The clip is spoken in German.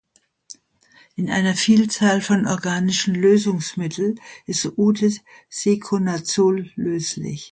In einer Vielzahl von organischen Lösungsmitteln ist Oteseconazol löslich.